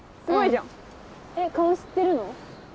すごいじゃん。え顔知ってるの？